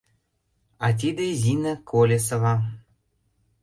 — А тиде Зина Колесова.